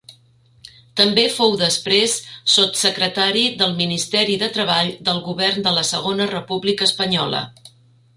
També fou després, sotssecretari del ministeri de treball del govern de la Segona República Espanyola.